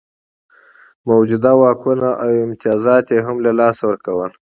موجوده واکونه او امتیازات یې هم له لاسه ورکول.